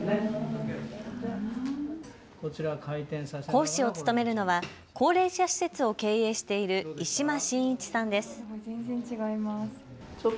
講師を務めるのは高齢者施設を経営している石間信一さんです。